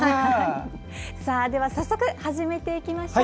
では、早速始めていきましょう。